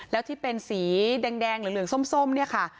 แล้วที่เป็นสีแดงเหลืองส้มเนี่ยค่ะ